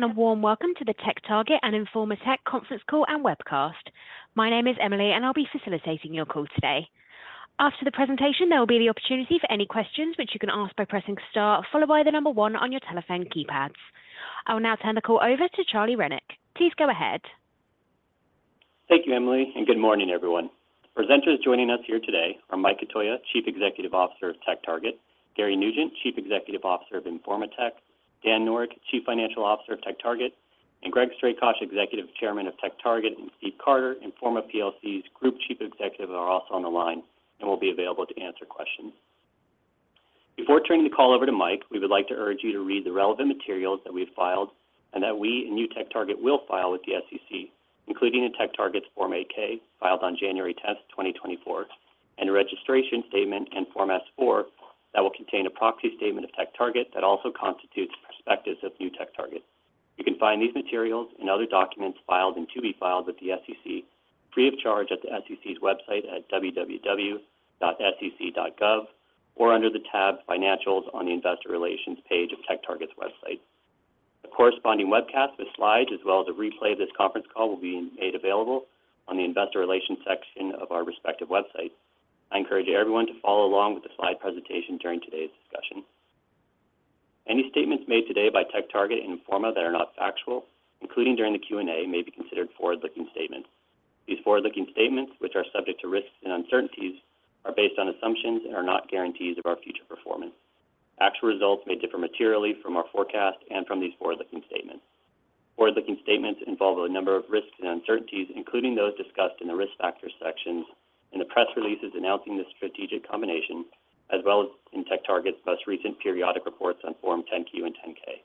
Hello, everyone, and a warm welcome to the TechTarget and Informa Tech Conference Call and Webcast. My name is Emily, and I'll be facilitating your call today. After the presentation, there will be the opportunity for any questions, which you can ask by pressing star, followed by the number one on your telephone keypads. I will now turn the call over to Charlie Rennick. Please go ahead. Thank you, Emily, and good morning, everyone. Presenters joining us here today are Mike Cotoia, Chief Executive Officer of TechTarget; Gary Nugent, Chief Executive Officer of Informa Tech; Dan Noreck, Chief Financial Officer of TechTarget, and Greg Strakosch, Executive Chairman of TechTarget, and Steve Carter, Informa PLC's Group Chief Executive, are also on the line and will be available to answer questions. Before turning the call over to Mike, we would like to urge you to read the relevant materials that we have filed and that we and New TechTarget will file with the SEC, including in TechTarget's Form 8-K, filed on January 10, 2024, and a registration statement and Form S-4 that will contain a proxy statement of TechTarget that also constitutes the prospectus of new TechTarget. You can find these materials and other documents filed and to be filed with the SEC free of charge at the SEC's website at www.sec.gov or under the tab Financials on the Investor Relations page of TechTarget's website. A corresponding webcast with slides, as well as a replay of this conference call, will be made available on the Investor Relations section of our respective websites. I encourage everyone to follow along with the slide presentation during today's discussion. Any statements made today by TechTarget and Informa that are not factual, including during the Q&A, may be considered forward-looking statements. These forward-looking statements, which are subject to risks and uncertainties, are based on assumptions and are not guarantees of our future performance. Actual results may differ materially from our forecast and from these forward-looking statements. Forward-looking statements involve a number of risks and uncertainties, including those discussed in the Risk Factors sections, and the press releases announcing this strategic combination, as well as in TechTarget's most recent periodic reports on Form 10-Q and 10-K.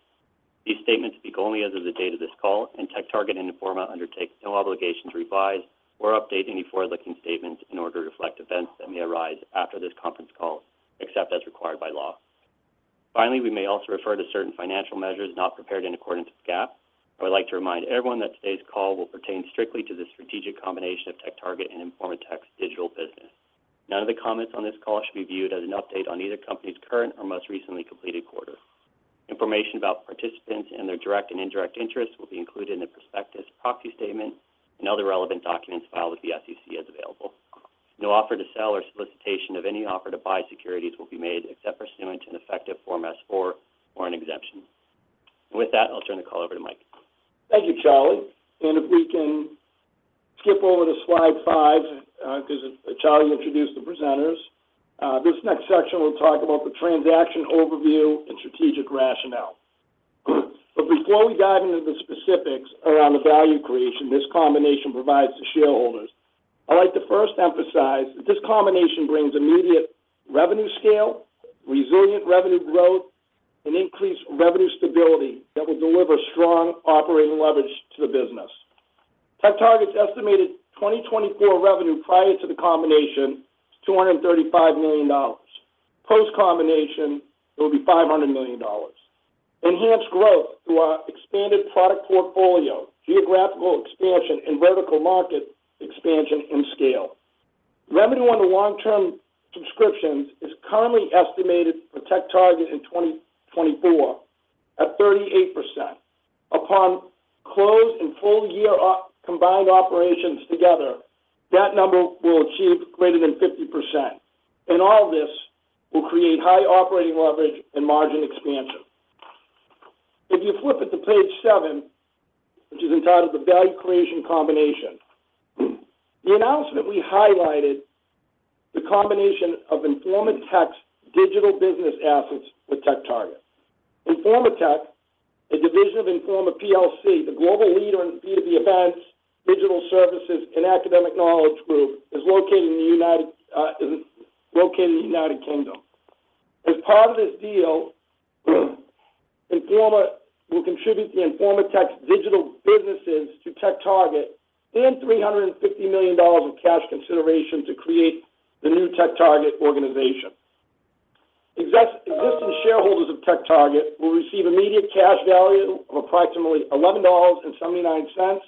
These statements speak only as of the date of this call, and TechTarget and Informa undertake no obligation to revise or update any forward-looking statements in order to reflect events that may arise after this conference call, except as required by law. Finally, we may also refer to certain financial measures not prepared in accordance with GAAP. I would like to remind everyone that today's call will pertain strictly to the strategic combination of TechTarget and Informa Tech's digital business. None of the comments on this call should be viewed as an update on either company's current or most recently completed quarter. Information about participants and their direct and indirect interests will be included in the prospectus, proxy statement, and other relevant documents filed with the SEC as available. No offer to sell or solicitation of any offer to buy securities will be made except pursuant to an effective Form S-4 or an exemption. With that, I'll turn the call over to Mike. Thank you, Charlie. If we can skip over to slide five, because Charlie introduced the presenters. This next section will talk about the transaction overview and strategic rationale. But before we dive into the specifics around the value creation this combination provides to shareholders, I'd like to first emphasize that this combination brings immediate revenue scale, resilient revenue growth, and increased revenue stability that will deliver strong operating leverage to the business. TechTarget's estimated 2024 revenue prior to the combination is $235 million. Post-combination, it will be $500 million. Enhanced growth through our expanded product portfolio, geographical expansion, and vertical market expansion and scale. Revenue on the long-term subscriptions is currently estimated for TechTarget in 2024 at 38%. Upon close and full year, combined operations together, that number will achieve greater than 50%. All this will create high operating leverage and margin expansion. If you flip it to page seven, which is entitled The Value Creation Combination, the announcement, we highlighted the combination of Informa Tech's digital business assets with TechTarget. Informa Tech, a division of Informa PLC, the global leader in B2B events, digital services, and academic knowledge group, is located in the United Kingdom. As part of this deal, Informa will contribute the Informa Tech's digital businesses to TechTarget and $350 million of cash consideration to create the new TechTarget organization. Existing shareholders of TechTarget will receive immediate cash value of approximately $11.79,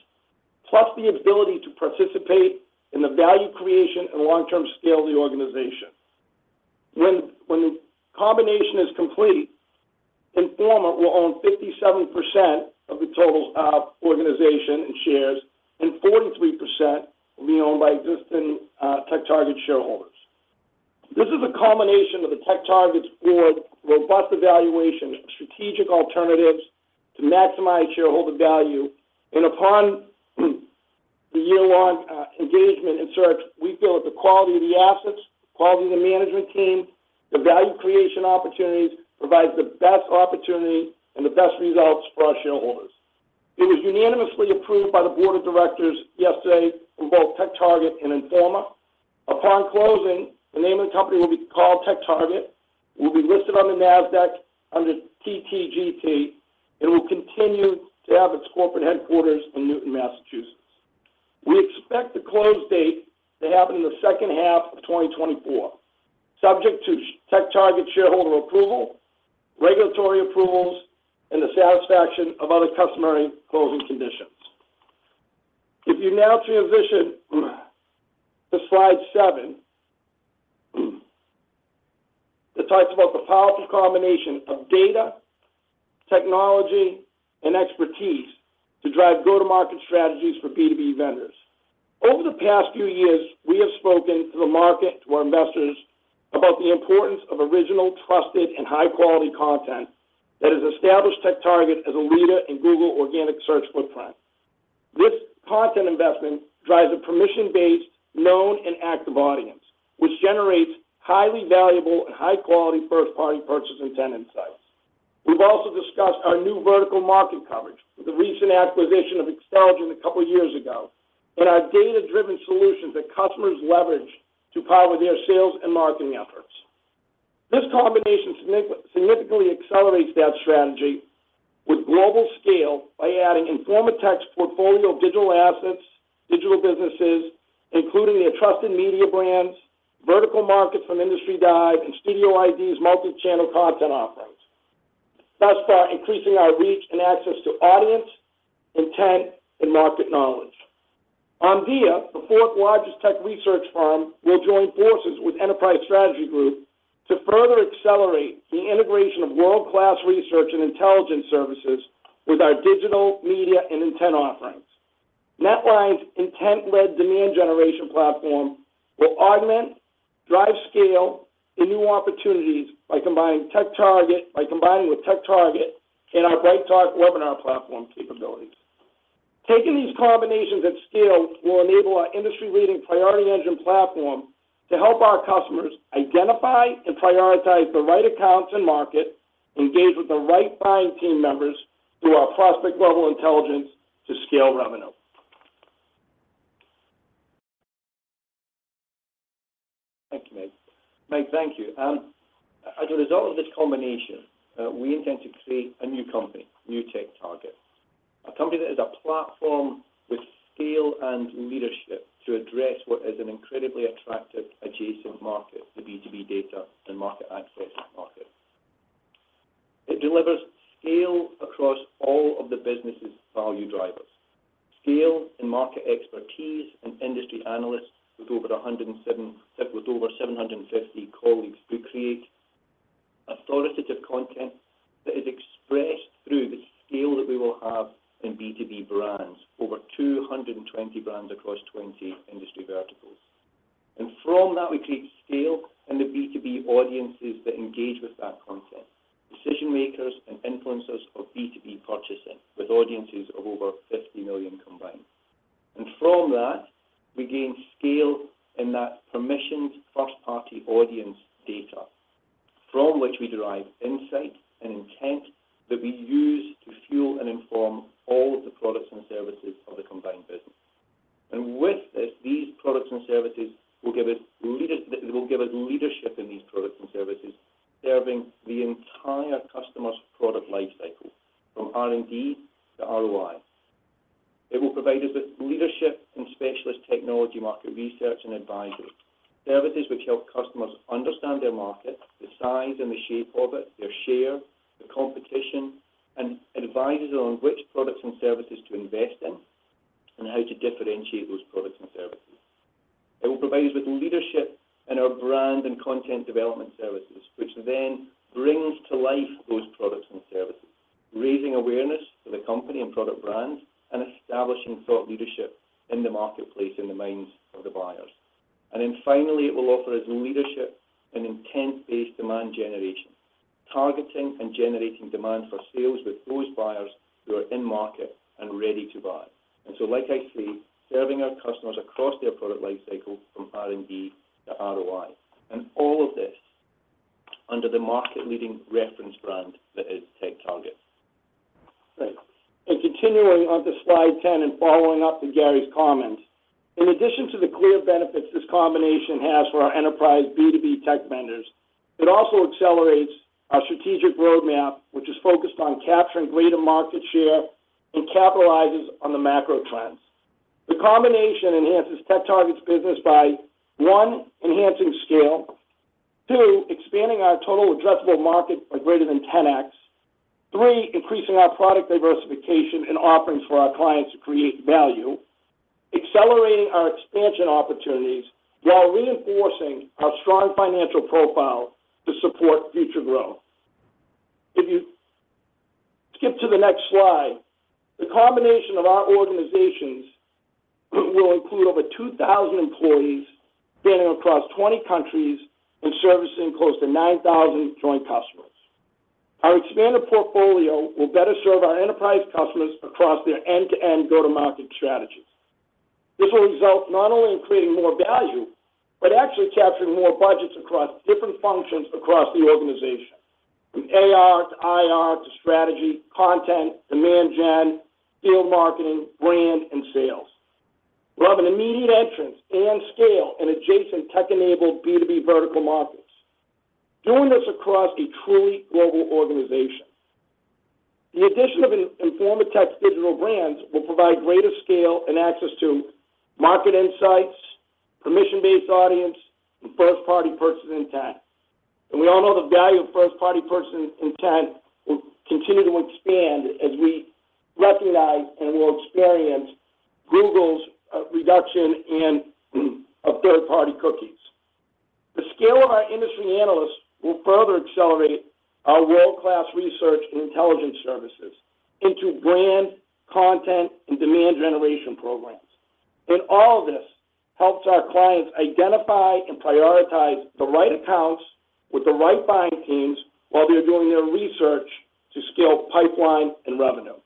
plus the ability to participate in the value creation and long-term scale of the organization. When the combination is complete, Informa will own 57% of the total organization and shares, and 43% will be owned by existing TechTarget shareholders. This is a combination of the TechTarget's board, robust evaluations, and strategic alternatives to maximize shareholder value. Upon the year-long engagement and search, we feel that the quality of the assets, the quality of the management team, the value creation opportunities, provides the best opportunity and the best results for our shareholders. It was unanimously approved by the board of directors yesterday from both TechTarget and Informa. Upon closing, the name of the company will be called TechTarget, will be listed on the Nasdaq under TTGT, and will continue to have its corporate headquarters in Newton, Massachusetts. We expect the close date to happen in the second half of 2024, subject to TechTarget shareholder approval, regulatory approvals, and the satisfaction of other customary closing conditions. If you now transition to slide seven. That talks about the powerful combination of data, technology, and expertise to drive go-to-market strategies for B2B vendors. Over the past few years, we have spoken to the market, to our investors, about the importance of original, trusted, and high-quality content that has established TechTarget as a leader in Google organic search footprint. This content investment drives a permission-based, known, and active audience, which generates highly valuable and high-quality first-party purchase intent insights. We've also discussed our new vertical market coverage with the recent acquisition of Xtelligent a couple of years ago, and our data-driven solutions that customers leverage to power their sales and marketing efforts. This combination significantly accelerates that strategy with global scale by adding Informa Tech's portfolio of digital assets, digital businesses, including their trusted media brands, vertical markets from Industry Dive, and studioID's multi-channel content offerings, thus far, increasing our reach and access to audience, intent, and market knowledge. Omdia, the fourth largest tech research firm, will join forces with Enterprise Strategy Group to further accelerate the integration of world-class research and intelligence services with our digital, media, and intent offerings. NetLine's intent-led demand generation platform will augment, drive scale, and new opportunities by combining with TechTarget and our BrightTALK webinar platform capabilities. Taking these combinations at scale will enable our industry-leading Priority Engine platform to help our customers identify and prioritize the right accounts and market, engage with the right buying team members through our prospect-level intelligence to scale revenue. Thank you, Mike. Mike, thank you. As a result of this combination, we intend to create a new company, New TechTarget, a company that is a platform with scale and leadership to address what is an incredibly attractive adjacent market, the B2B data and market access market. It delivers scale across all of the business's value drivers. Scale and market expertise and industry analysts with over 750 colleagues who create authoritative content that is expressed through the scale that we will have in B2B brands, over 220 brands across 20 industry verticals. And from that, we create scale in the B2B audiences that engage with that content, decision-makers and influencers of B2B purchasing, with audiences of over 50 million combined. From that, we gain scale in that permissioned first-party audience data, from which we derive insight and intent that we use to fuel and inform all of the products and services of the combined business. With this, these products and services will give us leadership in these products and services, serving the entire customer's product lifecycle, from R&D to ROI. It will provide us with leadership and specialist technology, market research, and advisory services which help customers understand their market, the size and the shape of it, their share, the competition, and advises on which products and services to invest in, and how to differentiate those products and services. It will provide us with leadership in our brand and content development services, which then brings to life those products and services, raising awareness for the company and product brands, and establishing thought leadership in the marketplace in the minds of the buyers. And then finally, it will offer us leadership and intent-based demand generation, targeting and generating demand for sales with those buyers who are in market and ready to buy. And so, like I say, serving our customers across their product life cycle from R&D to ROI, and all of this under the market-leading reference brand that is TechTarget. Great. Continuing on to slide 10, and following up to Gary's comments. In addition to the clear benefits this combination has for our enterprise B2B tech vendors, it also accelerates our strategic roadmap, which is focused on capturing greater market share and capitalizes on the macro trends. The combination enhances TechTarget's business by, one, enhancing scale, two, expanding our total addressable market by greater than 10x, three, increasing our product diversification and offerings for our clients to create value, accelerating our expansion opportunities while reinforcing our strong financial profile to support future growth. If you skip to the next slide, the combination of our organizations will include over 2,000 employees spanning across 20 countries and servicing close to 9,000 joint customers. Our expanded portfolio will better serve our enterprise customers across their end-to-end go-to-market strategies. This will result not only in creating more value, but actually capturing more budgets across different functions across the organization, from AR to IR, to strategy, content, demand gen, field marketing, brand, and sales. We'll have an immediate entrance and scale in adjacent tech-enabled B2B vertical markets, doing this across a truly global organization. The addition of Informa Tech's digital brands will provide greater scale and access to market insights, permission-based audience, and first-party purchase intent. And we all know the value of first-party purchase intent will continue to expand as we recognize and will experience Google's reduction of third-party cookies. The scale of our industry analysts will further accelerate our world-class research and intelligence services into brand, content, and demand generation programs. And all of this helps our clients identify and prioritize the right accounts with the right buying teams while they are doing their research to scale pipeline and revenue.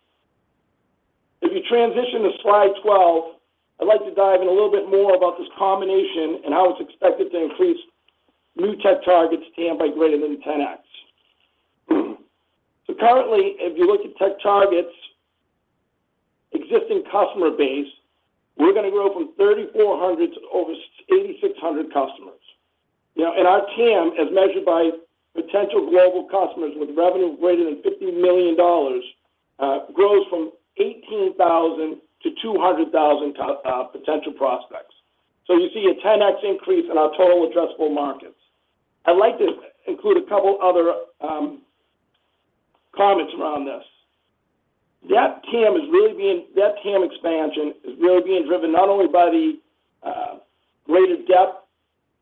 If you transition to slide 12, I'd like to dive in a little bit more about this combination and how it's expected to increase new TechTarget TAM by greater than 10x. So currently, if you look at TechTarget's existing customer base, we're gonna grow from 3,400 to over 8,600 customers. Now, and our TAM, as measured by potential global customers with revenue greater than $50 million, grows from 18,000 to 200,000 potential prospects. So you see a 10x increase in our total addressable markets. I'd like to include a couple other comments around this. That TAM expansion is really being driven not only by the greater depth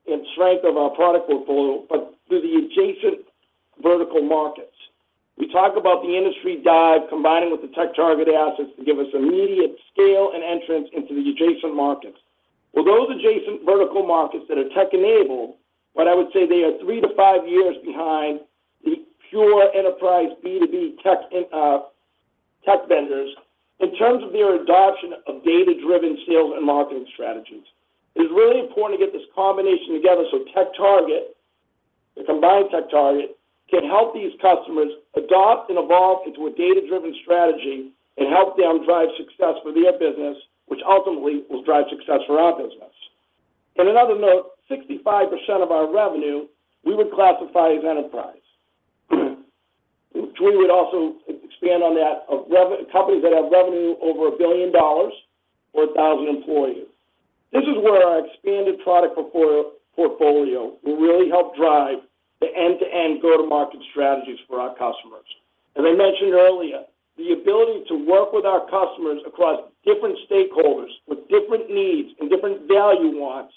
and strength of our product portfolio, but through the adjacent vertical markets. We talk about the Industry Dive, combining with the TechTarget assets to give us immediate scale and entrance into the adjacent markets. Well, those adjacent vertical markets that are tech-enabled, but I would say they are three to five years behind the pure enterprise B2B tech in tech vendors, in terms of their adoption of data-driven sales and marketing strategies. It is really important to get this combination together, so TechTarget, the combined TechTarget, can help these customers adopt and evolve into a data-driven strategy and help them drive success for their business, which ultimately will drive success for our business. On another note, 65% of our revenue, we would classify as enterprise. Which we would also expand on that of revenue companies that have revenue over $1 billion or 1,000 employees. This is where our expanded product portfolio will really help drive the end-to-end go-to-market strategies for our customers. As I mentioned earlier, the ability to work with our customers across different stakeholders, with different needs and different value wants,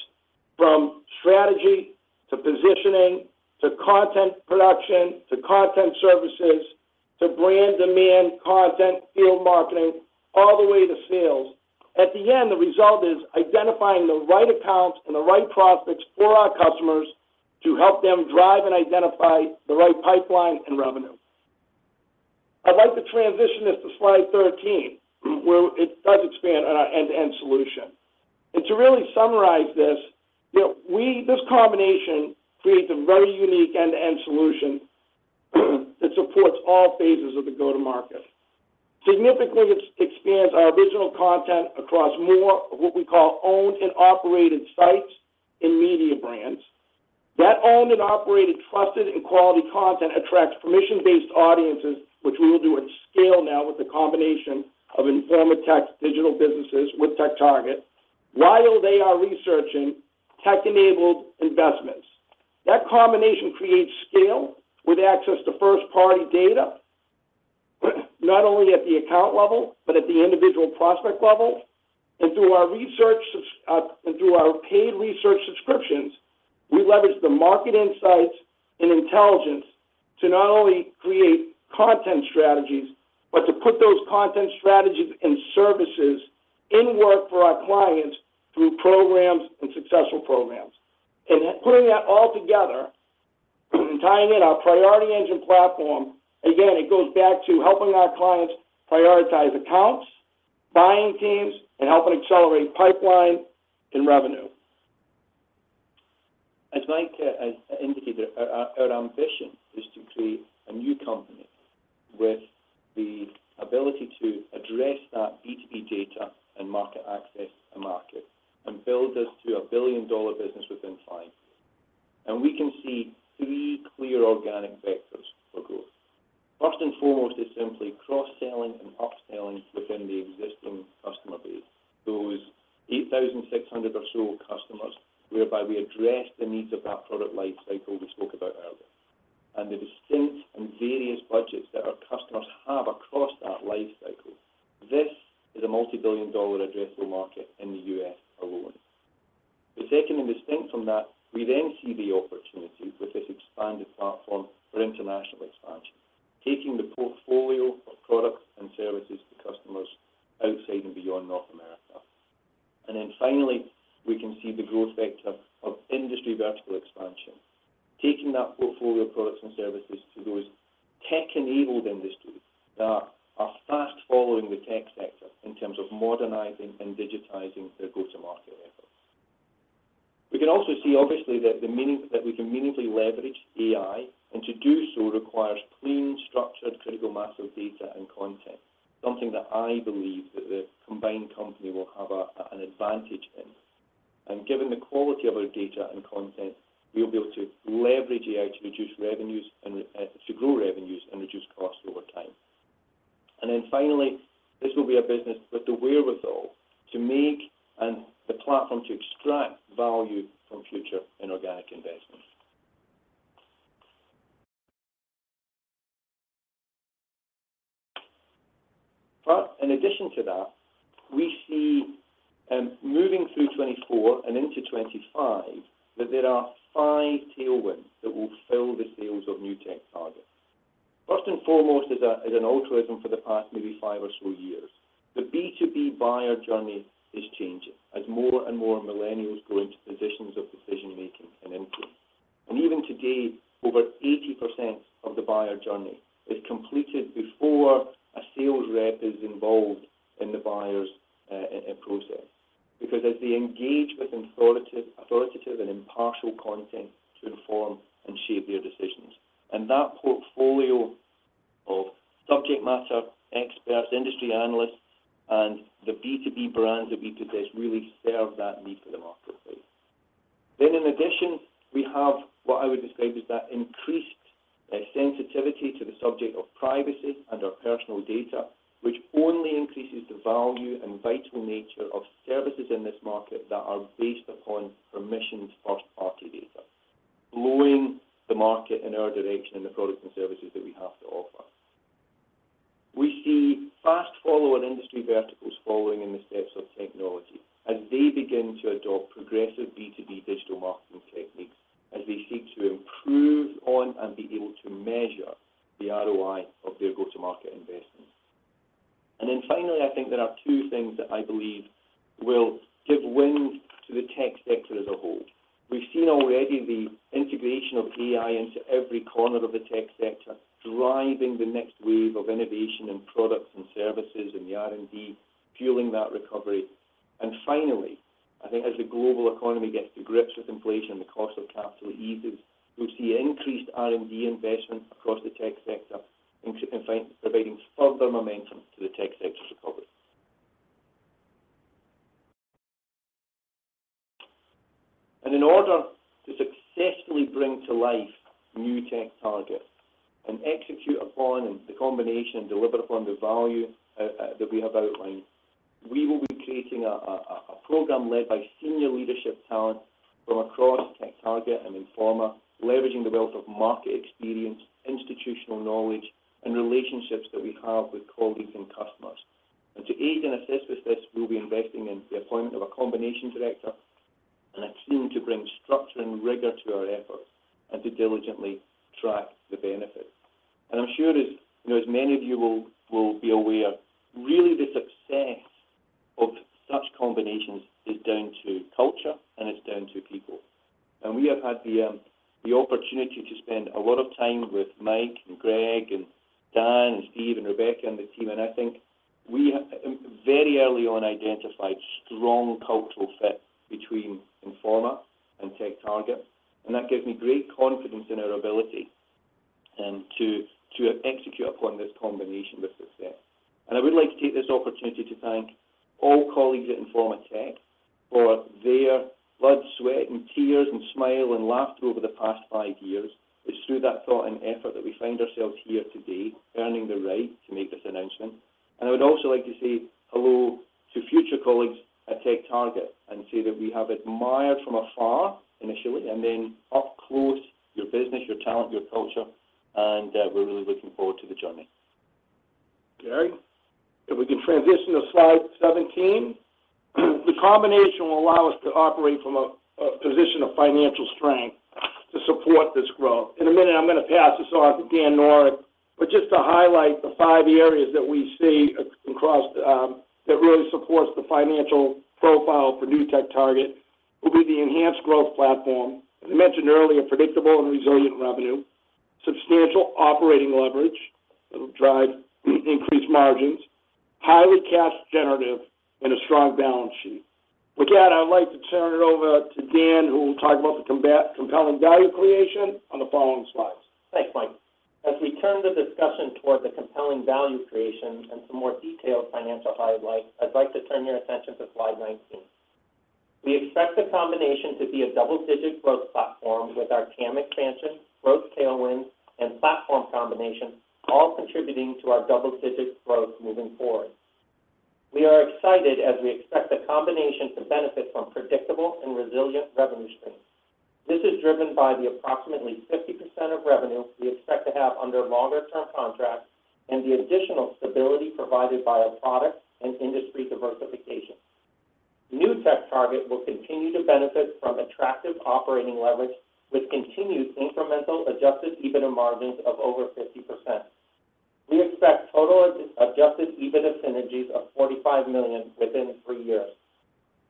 from strategy, to positioning, to content production, to content services, to brand demand, content, field marketing, all the way to sales. At the end, the result is identifying the right accounts and the right prospects for our customers to help them drive and identify the right pipeline and revenue. I'd like to transition this to slide 13, where it does expand on our end-to-end solution. And to really summarize this, you know, this combination creates a very unique end-to-end solution that supports all phases of the go-to-market. Significantly, expands our original content across more of what we call owned and operated sites and media brands. That owned and operated, trusted, and quality content attracts permission-based audiences, which we will do at scale now with the combination of Informa Tech's digital businesses with TechTarget, while they are researching tech-enabled investments. That combination creates scale with access to first-party data, but not only at the account level, but at the individual prospect level. And through our research, and through our paid research subscriptions, we leverage the market insights and intelligence to not only create content strategies, but to put those content strategies and services in work for our clients through programs and successful programs. And putting that all together, and tying in our Priority Engine platform, again, it goes back to helping our clients prioritize accounts, buying teams, and helping accelerate pipeline and revenue. As Mike has indicated, our ambition is to create a new company with the ability to address that B2B data and market access to market, and build this to a billion-dollar business within five. And we can see three clear organic vectors for growth. First and foremost, is simply cross-selling and upselling within the existing customer base. Those 8,600 or so customers, whereby we address the needs of that product life cycle we spoke about earlier, and the distinct and various budgets that our customers have across that life cycle. This is a multi-billion-dollar addressable market in the U.S. alone. The second and distinct from that, we then see the opportunity with this expanded platform for international expansion, taking the portfolio of products and services to customers outside and beyond North America. And then finally, we can see the growth vector of industry vertical expansion. Taking that portfolio of products and services to those tech-enabled industries that are fast following the tech sector in terms of modernizing and digitizing their go-to-market efforts. We can also see, obviously, that we can meaningfully leverage AI, and to do so requires clean, structured, critical mass of data and content. Something that I believe that the combined company will have an advantage in. And given the quality of our data and content, we'll be able to leverage AI to reduce revenues and to grow revenues and reduce costs over time. And then finally, this will be a business with the wherewithal to make and the platform to extract value from future and organic investments. But in addition to that, we see moving through 2024 and into 2025, that there are five tailwinds that will fuel the sales of Informa TechTarget. First and foremost is an evolution for the past, maybe five or so years. The B2B buyer journey is changing as more and more millennials go into positions of decision-making and influence. And even today, over 80% of the buyer journey is completed before a sales rep is involved in the buyer's process. Because as they engage with authoritative and impartial content to inform and shape their decisions, and that portfolio of subject matter experts, industry analysts, and the B2B brands that we possess, really serve that need for the marketplace. Then in addition, we have what I would describe as that increased sensitivity to the subject of privacy and/or personal data, which only increases the value and vital nature of services in this market that are based upon permission first-party data, blowing the market in our direction and the products and services that we have to offer. We see fast blood, sweat, and tears, and smile, and laughter over the past five years. It's through that thought and effort that we find ourselves here today, earning the right to make this announcement. I would also like to say hello to future colleagues at TechTarget, and say that we have admired from afar initially, and then up close, your business, your talent, your culture, and we're really looking forward to the journey. Okay. If we can transition to slide 17. The combination will allow us to operate from a position of financial strength to support this growth. In a minute, I'm gonna pass this on to Dan Noreck, but just to highlight the five areas that we see across that really supports the financial profile for new TechTarget, will be the enhanced growth platform. As I mentioned earlier, a predictable and resilient revenue, substantial operating leverage that will drive increased margins, highly cash generative, and a strong balance sheet. But yeah, I'd like to turn it over to Dan, who will talk about the compelling value creation on the following slides. Thanks, Mike. As we turn the discussion toward the compelling value creation and some more detailed financial highlights, I'd like to turn your attention to slide 19. We expect the combination to be a double-digit growth platform, with our TAM expansion, growth tailwinds, and platform combination, all contributing to our double-digit growth moving forward. We are excited as we expect the combination to benefit from predictable and resilient revenue streams. This is driven by the approximately 50% of revenue we expect to have under longer-term contracts, and the additional stability provided by our product and industry diversification. New TechTarget will continue to benefit from attractive operating leverage, with continued incremental adjusted EBITDA margins of over 50%. We expect total adjusted EBITDA synergies of $45 million within three years.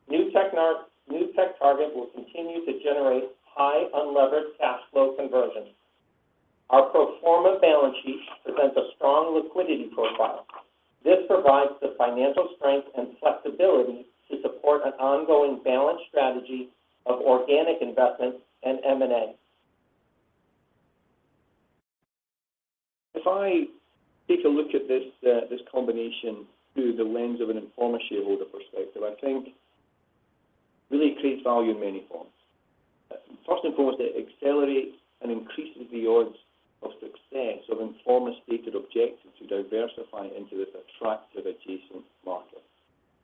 New TechTarget will continue to generate high unlevered cash flow conversion. Our pro forma balance sheet presents a strong liquidity profile. This provides the financial strength and flexibility to support an ongoing balanced strategy of organic investment and M&A. If I take a look at this, this combination through the lens of an Informa shareholder perspective, I think really it creates value in many forms. First and foremost, it accelerates and increases the odds of success of Informa stated objectives to diversify into this attractive adjacent market....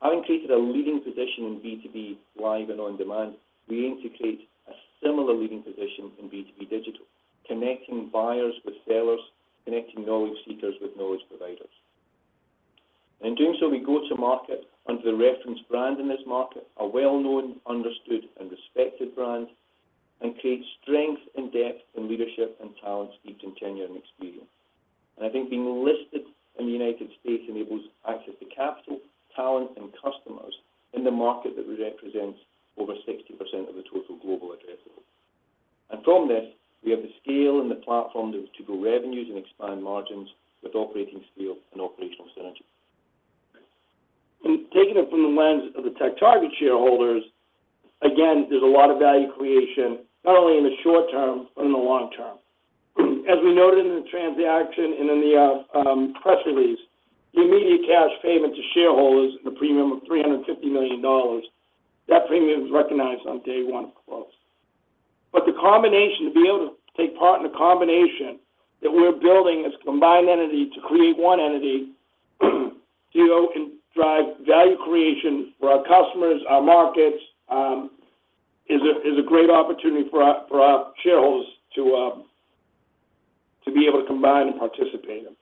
Having created a leading position in B2B live and on-demand, we aim to create a similar leading position in B2B digital, connecting buyers with sellers, connecting knowledge seekers with knowledge providers. In doing so, we go to market under the reference brand in this market, a well-known, understood, and respected brand, and create strength and depth in leadership and talent, experience, and tenure, and experience. I think being listed in the United States enables access to capital, talent, and customers in the market that represents over 60% of the total global addressable. From this, we have the scale and the platform to go revenues and expand margins with operating scale and operational synergy. And taking it from the lens of the TechTarget shareholders, again, there's a lot of value creation, not only in the short term, but in the long term. As we noted in the transaction and in the press release, the immediate cash payment to shareholders and the premium of $350 million, that premium is recognized on day one of close. But the combination, to be able to take part in the combination that we're building as a combined entity to create one entity, to, you know, and drive value creation for our customers, our markets, is a, is a great opportunity for our, for our shareholders to, to be able to combine and participate in.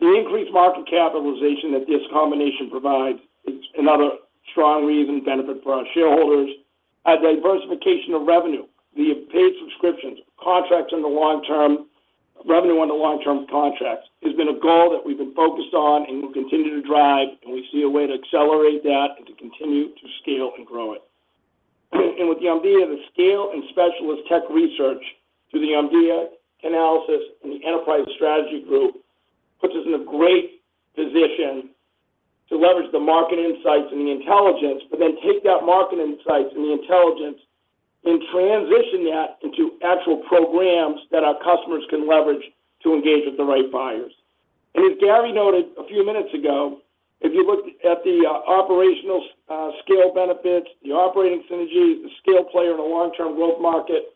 The increased market capitalization that this combination provides is another strong reason and benefit for our shareholders. Our diversification of revenue, via paid subscriptions, contracts in the long term, revenue on the long-term contracts, has been a goal that we've been focused on and will continue to drive, and we see a way to accelerate that and to continue to scale and grow it. And with the Omdia, the scale and specialist tech research to the Omdia analysis and the Enterprise Strategy Group, puts us in a great position to leverage the market insights and the intelligence, but then take that market insights and the intelligence and transition that into actual programs that our customers can leverage to engage with the right buyers. As Gary noted a few minutes ago, if you look at the operational scale benefits, the operating synergy, the scale player in a long-term growth market,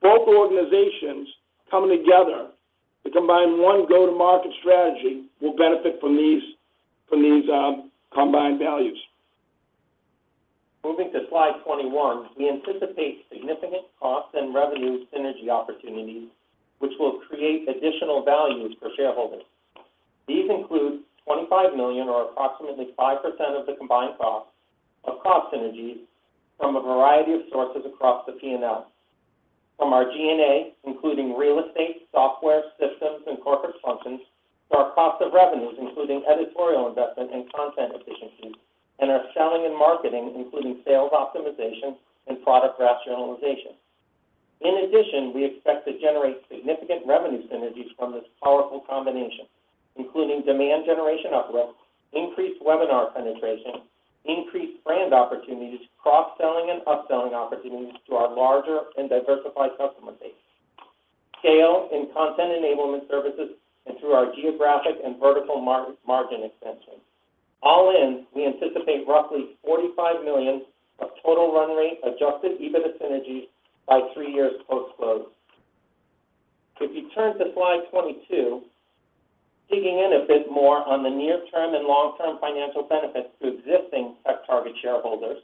both organizations coming together to combine one go-to-market strategy will benefit from these, from these, combined values. Moving to slide 21, we anticipate significant cost and revenue synergy opportunities, which will create additional value for shareholders. These include $25 million or approximately 5% of the combined costs of cost synergies from a variety of sources across the P&L. From our G&A, including real estate, software, systems, and corporate functions, to our cost of revenues, including editorial investment and content efficiencies, and our selling and marketing, including sales optimization and product rationalization. In addition, we expect to generate significant revenue synergies from this powerful combination, including demand generation uplift, increased webinar penetration, increased brand opportunities, cross-selling and upselling opportunities to our larger and diversified customer base, scale and content enablement services, and through our geographic and vertical margin expansion. All in, we anticipate roughly $45 million of total run rate, adjusted EBITDA synergies by three years post-close. So if you turn to slide 22, digging in a bit more on the near-term and long-term financial benefits to existing TechTarget shareholders.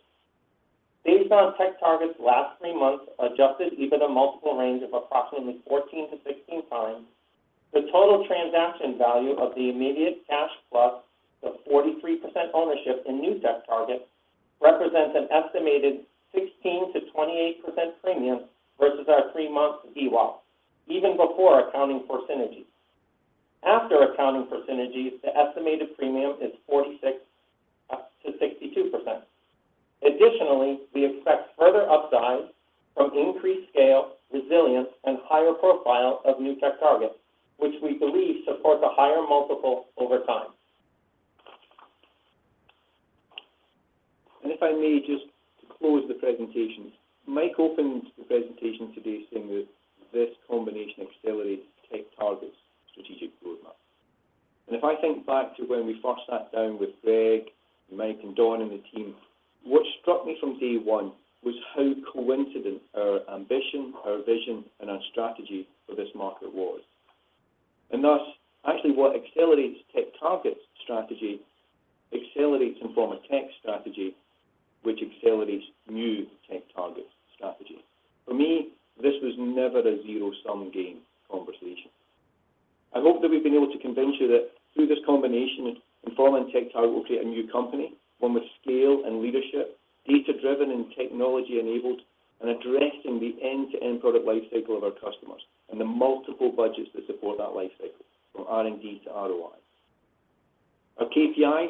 Based on TechTarget's last three months, adjusted EBITDA multiple range of approximately 14x-16x, the total transaction value of the immediate cash plus the 43% ownership in new TechTarget, represents an estimated 16%-28% premium versus our three-month VWAP, even before accounting for synergies. After accounting for synergies, the estimated premium is 46%-62%. Additionally, we expect further upside from increased scale, resilience, and higher profile of new TechTarget, which we believe supports a higher multiple over time. And if I may just close the presentation. Mike opened the presentation today, saying that this combination accelerates TechTarget's strategic roadmap. And if I think back to when we first sat down with Greg, Mike, and Dan, and the team, what struck me from day one was how coincident our ambition, our vision, and our strategy for this market was. And thus, actually, what accelerates TechTarget's strategy, accelerates Informa Tech's strategy, which accelerates new TechTarget's strategy. For me, this was never a zero-sum game conversation. I hope that we've been able to convince you that through this combination, Informa Tech and TechTarget will create a new company, one with scale and leadership, data-driven and technology-enabled, and addressing the end-to-end product life cycle of our customers, and the multiple budgets that support that life cycle, from R&D to ROI. Our KPI,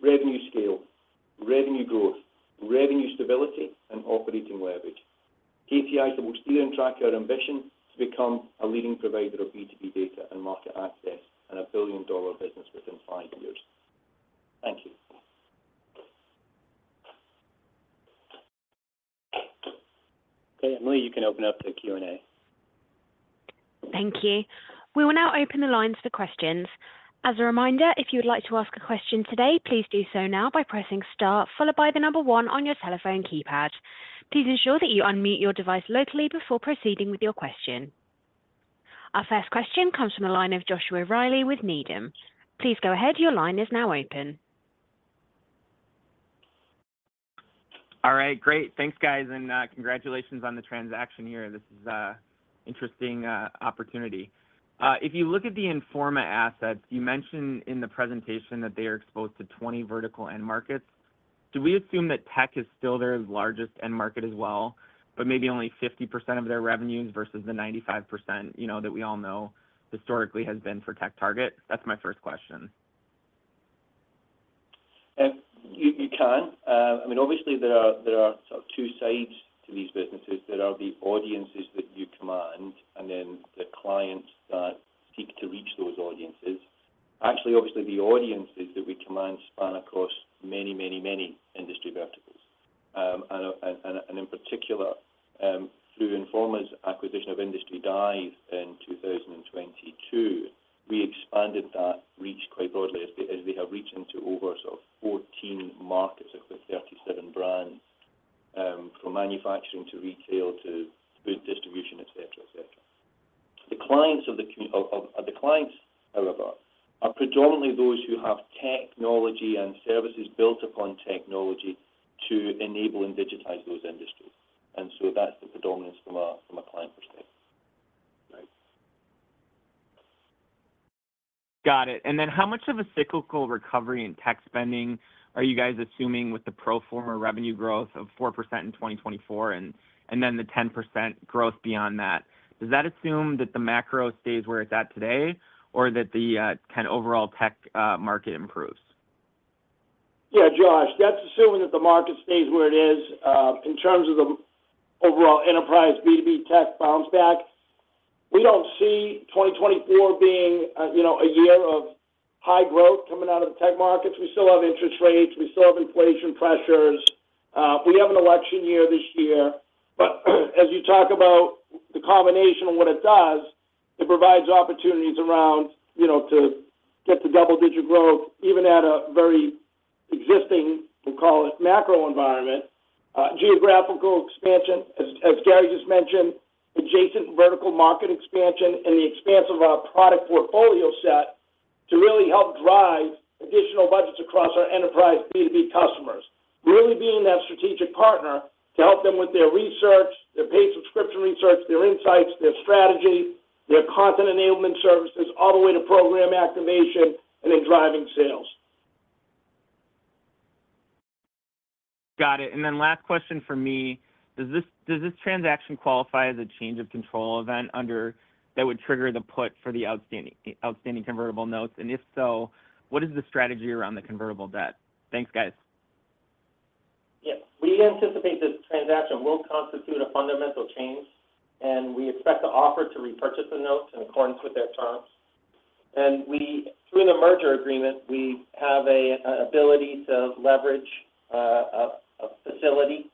revenue scale, revenue growth, revenue stability, and operating leverage. KPIs that will steer and track our ambition to become a leading provider of B2B data and market access, and a billion-dollar business within five years. Thank you. Okay, Emily, you can open up the Q&A. Thank you. We will now open the lines for questions. As a reminder, if you would like to ask a question today, please do so now by pressing star, followed by the number one on your telephone keypad. Please ensure that you unmute your device locally before proceeding with your question.... Our first question comes from the line of Joshua Reilly with Needham. Please go ahead. Your line is now open. All right, great. Thanks, guys, and congratulations on the transaction here. This is a interesting opportunity. If you look at the Informa assets, you mentioned in the presentation that they are exposed to 20 vertical end markets. Do we assume that tech is still their largest end market as well, but maybe only 50% of their revenues versus the 95%, you know, that we all know historically has been for TechTarget? That's my first question. You can. I mean, obviously, there are sort of two sides to these businesses. There are the audiences that you command, and then the clients that seek to reach those audiences. Actually, obviously, the audiences that we command span across many, many, many industry verticals. And in particular, through Informa's acquisition of Industry Dive in 2022, we expanded that reach quite broadly as we have reached into over sort of 14 markets across 37 brands, from manufacturing to retail to food distribution, et cetera, et cetera. The clients, however, are predominantly those who have technology and services built upon technology to enable and digitize those industries, and so that's the predominance from a client perspective. Right. Got it. And then how much of a cyclical recovery in tech spending are you guys assuming with the pro forma revenue growth of 4% in 2024, and, and then the 10% growth beyond that? Does that assume that the macro stays where it's at today, or that the kind of overall tech market improves? Yeah, Josh, that's assuming that the market stays where it is. In terms of the overall enterprise, B2B tech bounce back, we don't see 2024 being, you know, a year of high growth coming out of the tech markets. We still have interest rates. We still have inflation pressures. We have an election year this year. But as you talk about the combination of what it does, it provides opportunities around, you know, to get to double-digit growth, even at a very existing, we'll call it, macro environment, geographical expansion. As, as Gary just mentioned, adjacent vertical market expansion and the expanse of our product portfolio set to really help drive additional budgets across our enterprise B2B customers. Really being that strategic partner to help them with their research, their paid subscription research, their insights, their strategy, their content enablement services, all the way to program activation and then driving sales. Got it. And then last question from me. Does this transaction qualify as a change of control event under... That would trigger the put for the outstanding convertible notes? And if so, what is the strategy around the convertible debt? Thanks, guys. Yes, we anticipate this transaction will constitute a fundamental change, and we expect the offer to repurchase the notes in accordance with their terms. And we, through the merger agreement, we have an ability to leverage a facility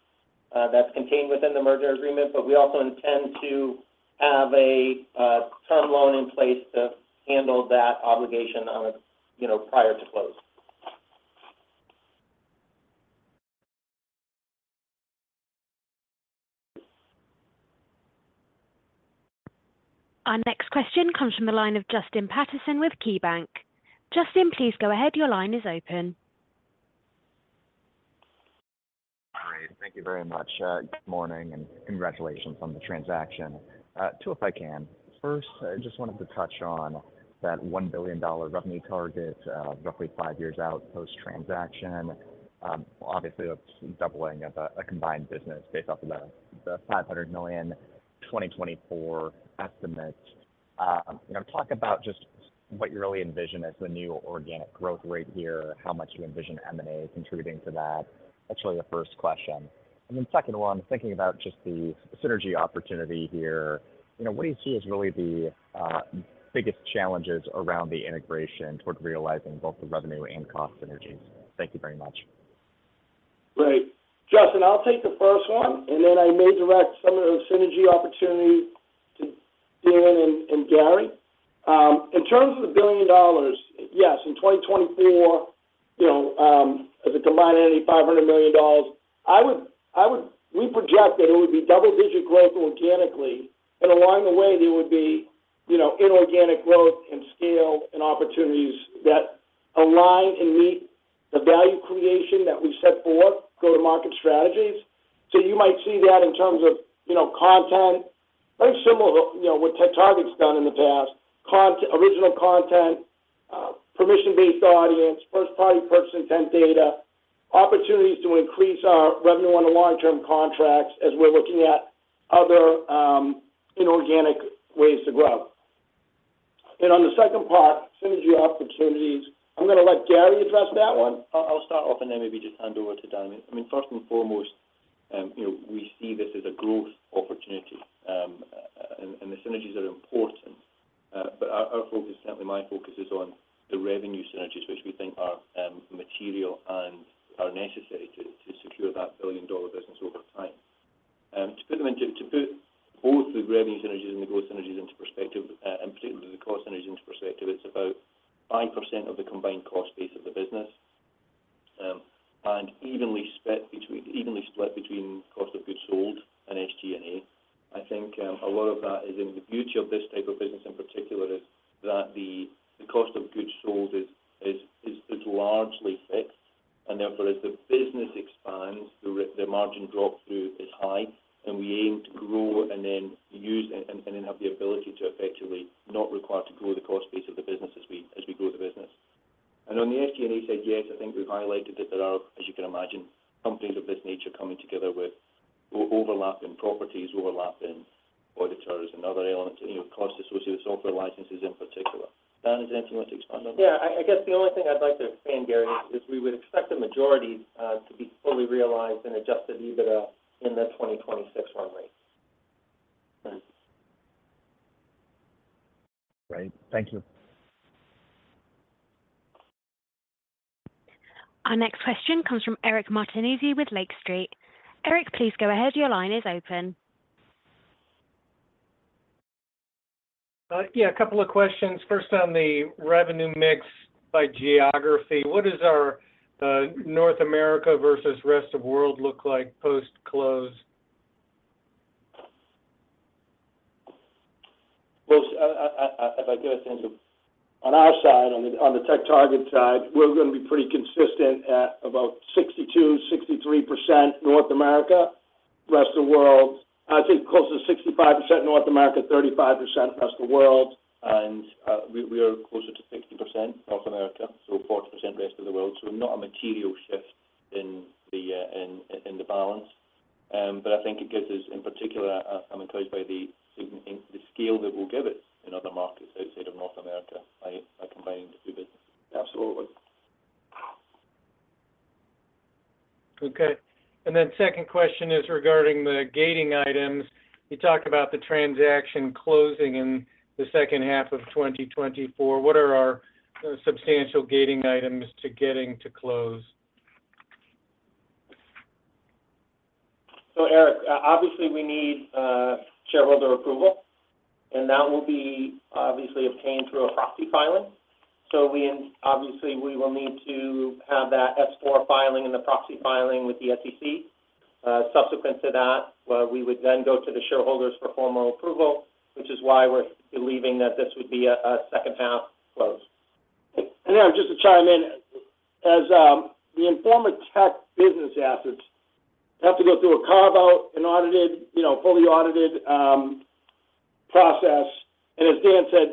that's contained within the merger agreement, but we also intend to have a term loan in place to handle that obligation on a, you know, prior to close. Our next question comes from the line of Justin Patterson with KeyBank. Justin, please go ahead. Your line is open. All right. Thank you very much. Good morning, and congratulations on the transaction. Two, if I can. First, I just wanted to touch on that $1 billion revenue target, roughly five years out post-transaction. Obviously, that's doubling of a combined business based off of the $500 million 2024 estimate. You know, talk about just what you really envision as the new organic growth rate here, how much you envision M&A contributing to that. That's really the first question. And then second one, thinking about just the synergy opportunity here, you know, what do you see as really the biggest challenges around the integration toward realizing both the revenue and cost synergies? Thank you very much. Great. Justin, I'll take the first one, and then I may direct some of the synergy opportunity to Dylan and Gary. In terms of the billion dollars, yes, in 2024, you know, as a combined entity, $500 million, I would, I would... We project that it would be double-digit growth organically, and along the way, there would be, you know, inorganic growth and scale and opportunities that align and meet the value creation that we set forth, go-to-market strategies. So you might see that in terms of, you know, content, very similar to, you know, what TechTarget's done in the past. Original content, permission-based audience, first-party purchase intent data, opportunities to increase our revenue on the long-term contracts as we're looking at other, inorganic ways to grow. And on the second part, synergy opportunities, I'm gonna let Gary address that one. I'll start off and then maybe just hand over to Dylan. I mean, first and foremost, you know, we see this as a growth opportunity, and the synergies are important, but our focus, certainly my focus is on the revenue synergies, which we think are material and are necessary to secure that billion-dollar business over time. To put both the revenue synergies and the growth synergies into perspective, 5% of the combined cost base of the business, and evenly split between cost of goods sold and SG&A. I think a lot of that is in the beauty of this type of business, in particular, is that the cost of goods sold is largely fixed, and therefore, as the business expands, the margin drop through is high, and we aim to grow and then have the ability to effectively not require to grow the cost base of the business as we grow the business. And on the SG&A side, yes, I think we've highlighted that there are, as you can imagine, companies of this nature coming together with overlapping properties, overlapping auditors and other elements, you know, costs associated with software licenses in particular. Dan, is there anything you want to expand on? Yeah, I guess the only thing I'd like to expand, Gary, is we would expect the majority to be fully realized in adjusted EBITDA in the 2026 runway. Thanks. Great. Thank you. Our next question comes from Eric Martinuzzi with Lake Street. Eric, please go ahead. Your line is open. Yeah, a couple of questions. First, on the revenue mix by geography, what is our North America versus rest of world look like post-close? Well, if I could, on our side, on the TechTarget side, we're gonna be pretty consistent at about 62%-63% North America. Rest of world, I think, closer to 65% North America, 35% rest of the world. We are closer to 60% North America, so 40% rest of the world. So not a material shift in the balance. But I think it gives us, in particular, I'm encouraged by the scale that will give us in other markets outside of North America by combining the two business. Absolutely. Okay. And then second question is regarding the gating items. You talked about the transaction closing in the second half of 2024. What are our substantial gating items to getting to close? So, Eric, obviously, we need shareholder approval, and that will be obviously obtained through a proxy filing. So obviously, we will need to have that S-4 filing and the proxy filing with the SEC. Subsequent to that, we would then go to the shareholders for formal approval, which is why we're believing that this would be a second half close. Yeah, just to chime in. As the Informa Tech business assets have to go through a carve-out and audited, you know, fully audited process. As Dan said,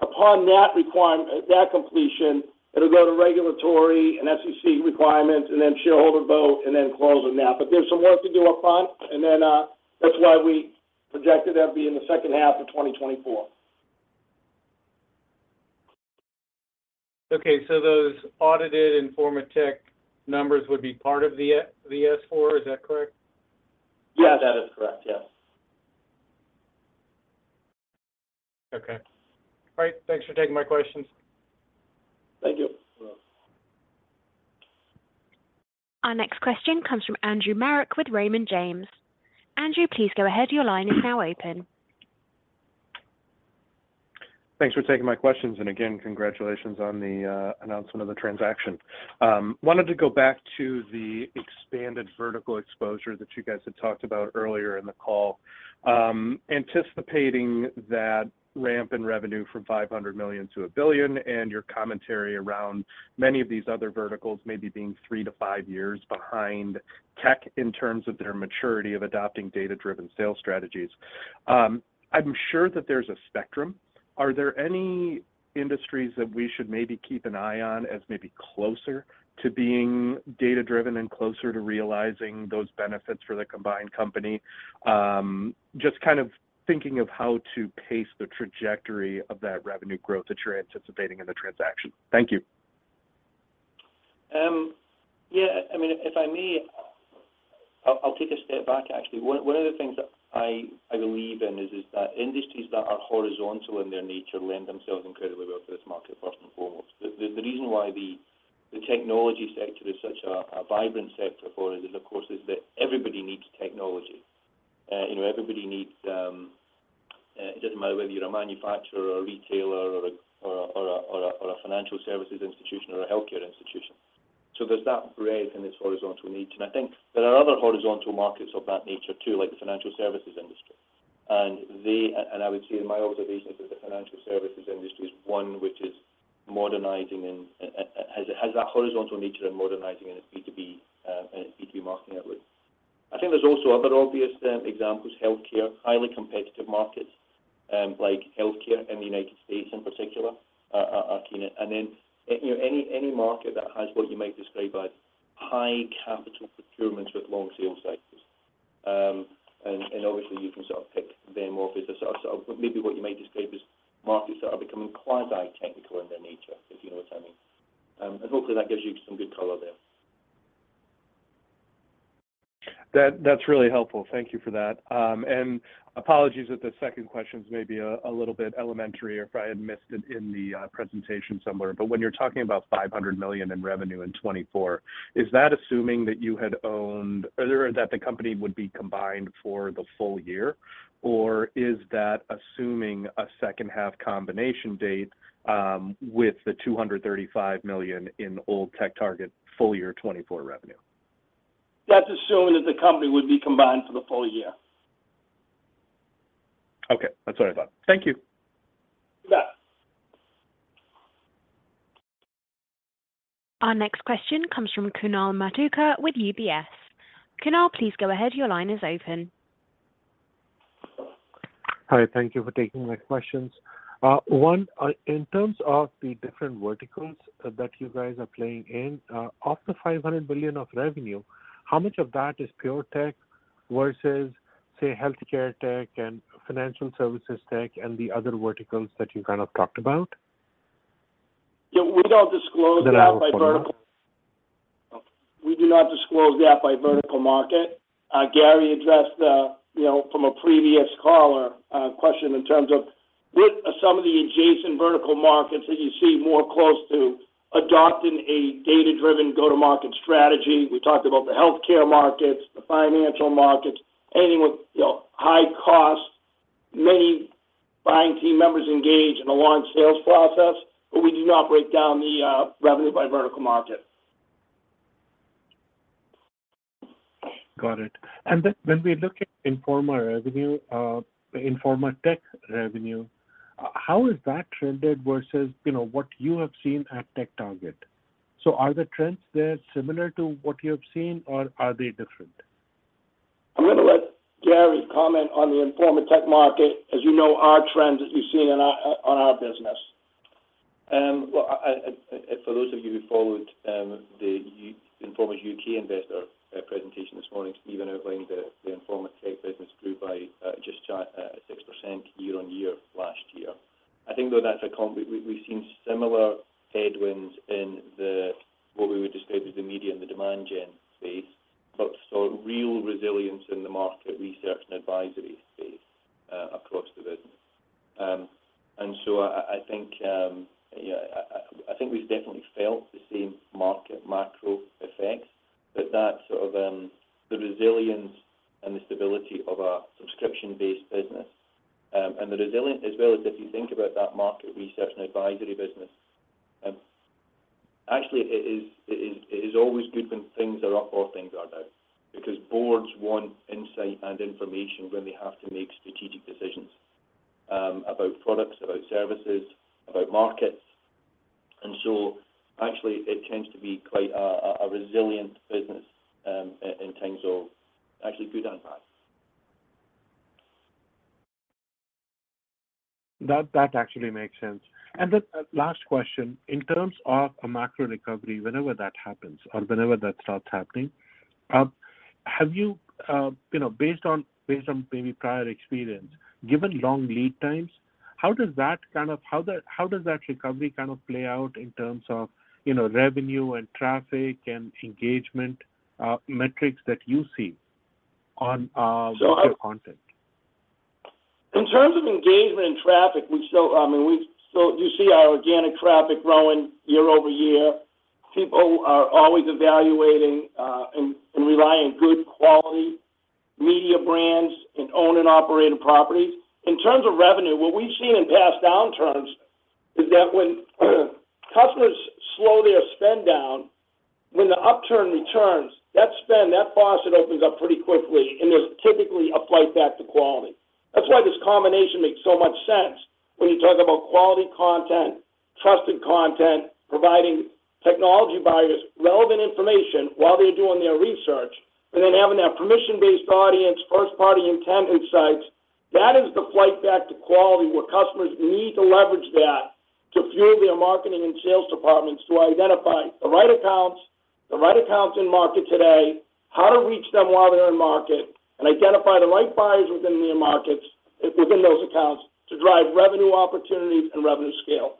upon that completion, it'll go to regulatory and SEC requirements, and then shareholder vote, and then closing that. But there's some work to do upfront, and then that's why we projected that'd be in the second half of 2024. Okay. So those audited Informa Tech numbers would be part of the S-4, is that correct? Yeah, that is correct. Yes. Okay. All right. Thanks for taking my questions. Thank you. You're welcome. Our next question comes from Andrew Marok with Raymond James. Andrew, please go ahead. Your line is now open. Thanks for taking my questions. And again, congratulations on the announcement of the transaction. Wanted to go back to the expanded vertical exposure that you guys had talked about earlier in the call. Anticipating that ramp in revenue from $500 million to $1 billion, and your commentary around many of these other verticals, maybe being three to five years behind tech in terms of their maturity of adopting data-driven sales strategies. I'm sure that there's a spectrum. Are there any industries that we should maybe keep an eye on as maybe closer to being data-driven and closer to realizing those benefits for the combined company? Just kind of thinking of how to pace the trajectory of that revenue growth that you're anticipating in the transaction. Thank you. Yeah, I mean, if I may, I'll take a step back, actually. One of the things that I believe in is that industries that are horizontal in their nature lend themselves incredibly well to this market, first and foremost. The reason why the technology sector is such a vibrant sector for us is, of course, that everybody needs technology. You know, everybody needs it doesn't matter whether you're a manufacturer, or a retailer, or a financial services institution, or a healthcare institution. So there's that breadth in this horizontal need. And I think there are other horizontal markets of that nature, too, like the financial services industry. I would say in my observations, the financial services industry is one which is modernizing and has that horizontal nature and modernizing in a B2B and a B2B market, I believe. I think there's also other obvious examples, healthcare, highly competitive markets, like healthcare in the United States, in particular, are key. And then, you know, any market that has what you might describe as high capital procurements with long sales cycles. And obviously, you can sort of pick them or business. So maybe what you might describe as markets that are becoming quasi-technical in their nature, if you know what I mean. And hopefully, that gives you some good color there. That, that's really helpful. Thank you for that. And apologies if the second question is maybe a little bit elementary, or if I had missed it in the presentation somewhere. But when you're talking about $500 million in revenue in 2024, is that assuming that you had owned- or that the company would be combined for the full year? Or is that assuming a second half combination date, with the $235 million in old TechTarget full year 2024 revenue?... That's assuming that the company would be combined for the full year. Okay, that's what I thought. Thank you. Yes. Our next question comes from Kunal Madhukar with UBS. Kunal, please go ahead. Your line is open. Hi, thank you for taking my questions. One, in terms of the different verticals that you guys are playing in, of the $500 billion of revenue, how much of that is pure tech versus, say, healthcare tech and financial services tech, and the other verticals that you kind of talked about? Yeah, we don't disclose that by vertical. Then I'll follow up. We do not disclose that by vertical market. Gary addressed the, you know, from a previous caller question in terms of what are some of the adjacent vertical markets that you see more close to adopting a data-driven go-to-market strategy. We talked about the healthcare markets, the financial markets, anything with, you know, high costs, many buying team members engaged in a long sales process, but we do not break down the revenue by vertical market. Got it. And then when we look at Informa revenue, Informa Tech revenue, how has that trended versus, you know, what you have seen at TechTarget? So are the trends there similar to what you have seen, or are they different? I'm gonna let Gary comment on the Informa Tech market, as you know, our trends as we've seen on our business. Well, for those of you who followed the Informa UK investor presentation this morning, Stephen outlined the Informa Tech business grew by just 6% year-on-year last year. I think, though, that's. We've seen similar headwinds in what we would describe as the media and the demand gen space, but saw real resilience in the market research and advisory space across the business. And so I think we've definitely felt the same market macro effects, but that sort of the resilience and the stability of our subscription-based business, and the resilience as well as if you think about that market research and advisory business, actually, it is always good when things are up or things are down, because boards want insight and information when they have to make strategic decisions about products, about services, about markets. And so actually it tends to be quite a resilient business, in terms of actually good and bad. That actually makes sense. The last question, in terms of a macro recovery, whenever that happens or whenever that starts happening, have you, you know, based on maybe prior experience, given long lead times, how does that recovery kind of play out in terms of, you know, revenue and traffic and engagement, metrics that you see on your content? In terms of engagement and traffic, so you see our organic traffic growing year-over-year. People are always evaluating, and, and relying on good quality media brands and own and operated properties. In terms of revenue, what we've seen in past downturns is that when customers slow their spend down, when the upturn returns, that spend, that faucet opens up pretty quickly, and there's typically a flight back to quality. That's why this combination makes so much sense when you talk about quality content, trusted content, providing technology buyers relevant information while they're doing their research, and then having that permission-based audience, first-party intent insights. That is the flight back to quality, where customers need to leverage that to fuel their marketing and sales departments to identify the right accounts, the right accounts in market today, how to reach them while they're in market, and identify the right buyers within their markets, within those accounts, to drive revenue opportunities and revenue scale.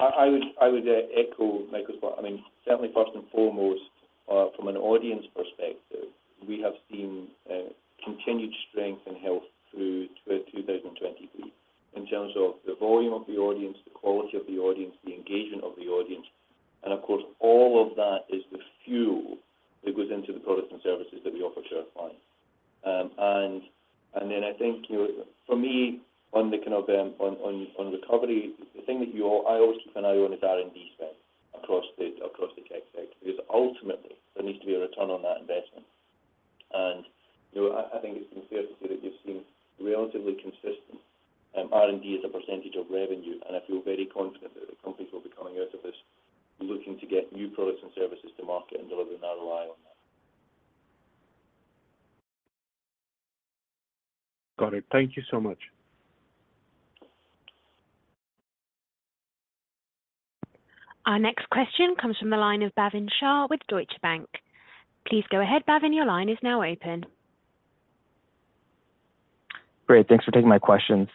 I would echo Mike's point. I mean, certainly first and foremost, from an audience perspective, we have seen continued strength and health through 2023, in terms of the volume of the audience, the quality of the audience, the engagement of the audience. And of course, all of that is the fuel that goes into the products and services that we offer to our clients. And then I think, you know, for me, on recovery, the thing that I always keep an eye on is R&D spend across the tech sector, because ultimately there needs to be a return on that investment. You know, I think it's been fair to say that you've seen relatively consistent R&D as a percentage of revenue, and I feel very confident that the companies will be coming out of this looking to get new products and services to market and deliver and add AI on that. Got it. Thank you so much. Our next question comes from the line of Bhavin Shah with Deutsche Bank. Please go ahead, Bhavin, your line is now open. Great, thanks for taking my questions.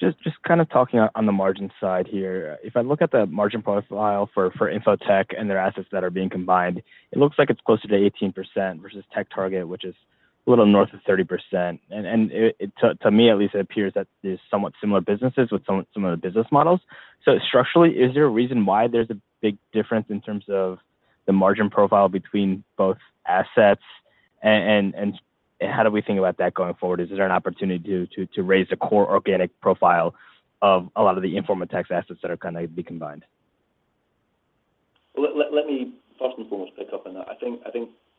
Just kind of talking on the margin side here. If I look at the margin profile for Informa Tech and their assets that are being combined, it looks like it's closer to 18% versus TechTarget, which is a little north of 30%. And to me at least, it appears that there's somewhat similar businesses with similar business models. So structurally, is there a reason why there's a big difference in terms of the margin profile between both assets? And how do we think about that going forward? Is there an opportunity to raise the core organic profile of a lot of the Informa Tech's assets that are gonna be combined? Well, let me first and foremost pick up on that. I think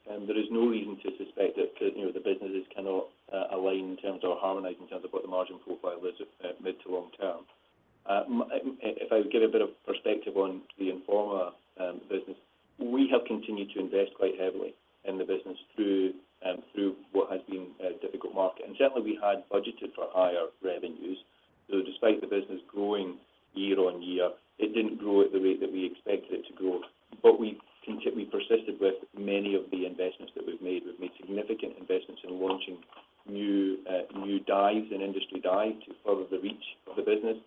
there is no reason to suspect that, you know, the businesses cannot align in terms of or harmonize in terms of what the margin profile is at mid to long term. If I would give a bit of perspective on the Informa business, we have continued to invest quite heavily in the business through what has been a difficult market. And certainly we had budgeted for higher revenues. So despite the business growing year on year, it didn't grow at the rate that we expected it to grow. But we persisted with many of the investments that we've made. We've made significant investments in launching new Dives and Industry Dive to further the reach of the business.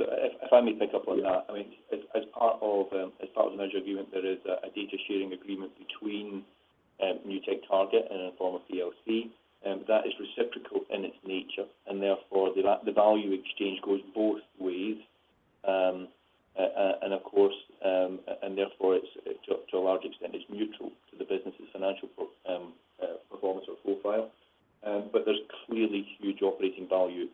If I may pick up on that. I mean, as part of the merger agreement, there is a data sharing agreement between Informa TechTarget and Informa PLC, and that is reciprocal in its nature, and therefore, the value exchange goes both ways. And of course, and therefore, it's to a large extent it's mutual to the business's financial performance or profile. But there's clearly huge operating value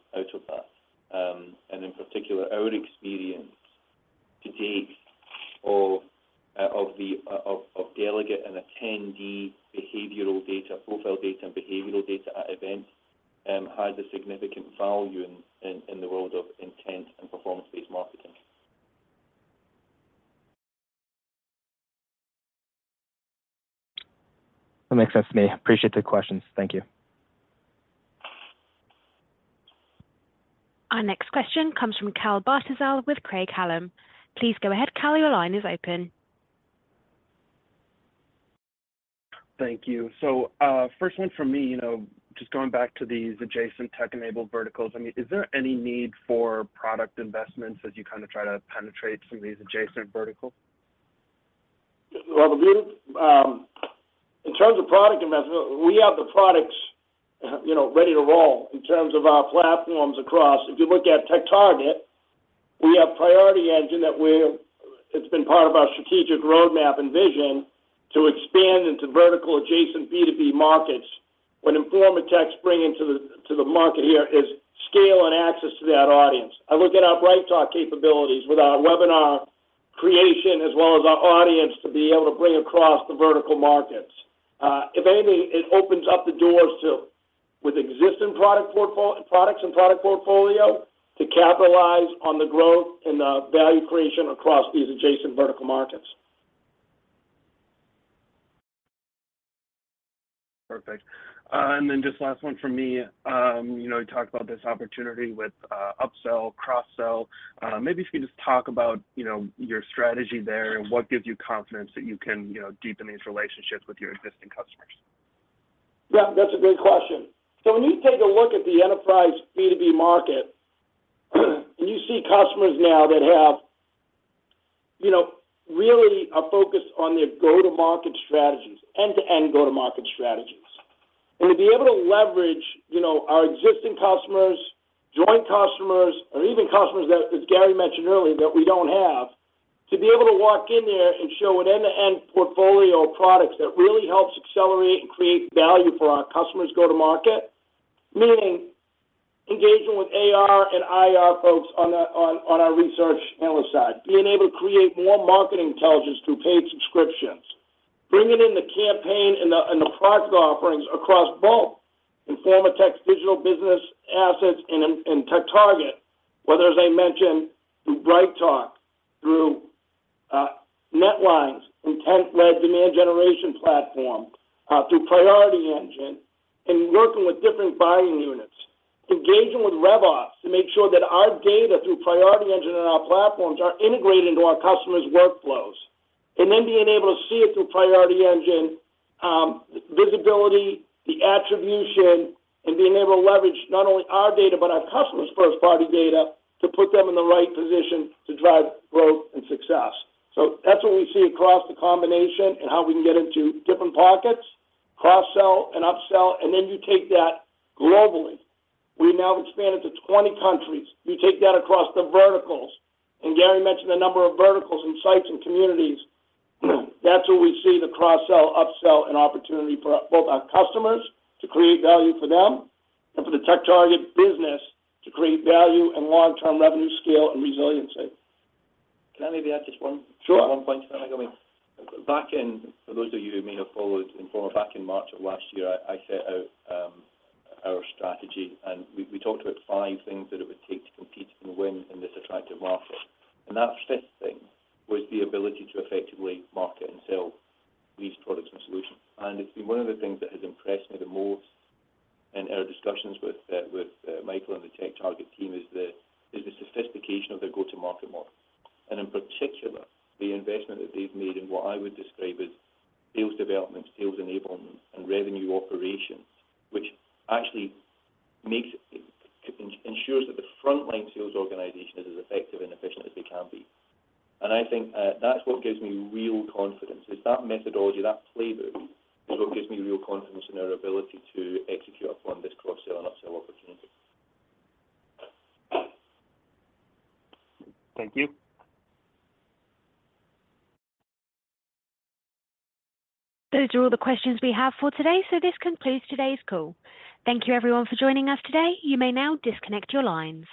out of that. And in particular, our experience to date of the delegate and attendee behavioral data, profile data, and behavioral data at events has a significant value in the world of intent and performance-based marketing. That makes sense to me. Appreciate the questions. Thank you. Our next question comes from Cal Bartyzal with Craig-Hallum. Please go ahead, Cal, your line is open. Thank you. So, first one from me, you know, just going back to these adjacent tech-enabled verticals, I mean, is there any need for product investments as you kind of try to penetrate some of these adjacent verticals? Well, we, in terms of product investment, we have the products, you know, ready to roll in terms of our platforms across. If you look at TechTarget, we have Priority Engine that it's been part of our strategic roadmap and vision to expand into vertical adjacent B2B markets. What Informa Tech's bringing to the market here is scale and access to that audience. I look at our BrightTALK capabilities with our webinar creation, as well as our audience, to be able to bring across the vertical markets. If anything, it opens up the doors to, with existing product portfolio, to capitalize on the growth and the value creation across these adjacent vertical markets. Perfect. And then just last one from me. You know, you talked about this opportunity with upsell, cross-sell. Maybe if you could just talk about, you know, your strategy there and what gives you confidence that you can, you know, deepen these relationships with your existing customers. Yeah, that's a great question. So when you take a look at the enterprise B2B market, and you see customers now that have, you know, really a focus on their go-to-market strategies, end-to-end go-to-market strategies. And to be able to leverage, you know, our existing customers, joint customers, or even customers that, as Gary mentioned earlier, that we don't have, to be able to walk in there and show an end-to-end portfolio of products that really helps accelerate and create value for our customers' go-to-market. Meaning engaging with AR and IR folks on our research analyst side. Being able to create more marketing intelligence through paid subscriptions. Bringing in the campaign and the product offerings across both Informa Tech's digital business assets and TechTarget, whether, as I mentioned, through BrightTALK, through NetLine's intent-led demand generation platform through Priority Engine and working with different buying units. Engaging with RevOps to make sure that our data through Priority Engine and our platforms are integrated into our customers' workflows, and then being able to see it through Priority Engine visibility, the attribution, and being able to leverage not only our data, but our customers' first-party data to put them in the right position to drive growth and success. So that's what we see across the combination and how we can get into different pockets, cross-sell and upsell, and then you take that globally. We now expand into 20 countries. You take that across the verticals, and Gary mentioned a number of verticals and sites and communities. That's where we see the cross-sell, upsell and opportunity for our, both our customers to create value for them and for the TechTarget business to create value and long-term revenue scale and resiliency. Can I maybe add just one- Sure... one point? Back in... For those of you who may have followed Informa, back in March of last year, I set out our strategy, and we talked about five things that it would take to compete and win in this attractive market. And that fifth thing was the ability to effectively market and sell these products and solutions. And it's been one of the things that has impressed me the most in our discussions with Mike and the TechTarget team is the sophistication of their go-to-market model. And in particular, the investment that they've made in what I would describe as sales development, sales enablement, and revenue operations, which actually makes it ensures that the frontline sales organization is as effective and efficient as they can be. And I think that's what gives me real confidence. It's that methodology, that playbook, is what gives me real confidence in our ability to execute upon this cross-sell and upsell opportunity. Thank you. Those are all the questions we have for today, so this concludes today's call. Thank you, everyone, for joining us today. You may now disconnect your lines.